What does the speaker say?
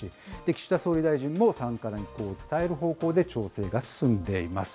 岸田総理大臣も参加の意向を伝える方向で調整が進んでいます。